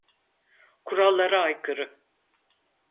Kurallara aykırı.